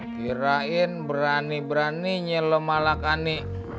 kirain berani beraninya lo malak ani